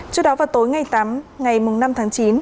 trước đó vào tối ngày tám ngày năm tháng chín